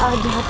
ah ada pak